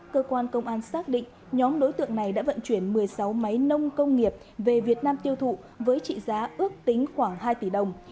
cơ quan công an xác định nhóm đối tượng này đã vận chuyển một mươi sáu máy nông công nghiệp về việt nam tiêu thụ với trị giá ước tính khoảng hai tỷ đồng